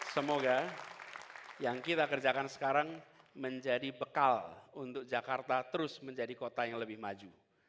semoga yang kita kerjakan sekarang menjadi bekal untuk jakarta terus menjadi kota yang lebih maju